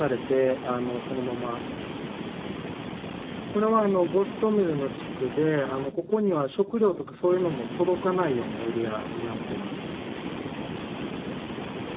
これはあのゴストメルの地区でここには食料とかそういうのも届かないようなエリアになってます。